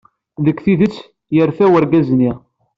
Deg tidet, yerfa wergaz-nni.